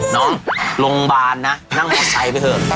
น้องโรงพยาบาลนะนั่งรถไซส์ไปเถอะ